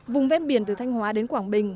vùng vét biển từ thanh hóa đến quảng bình